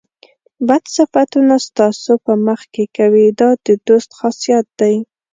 بد صفتونه ستاسو په مخ کې کوي دا د دوست خاصیت دی.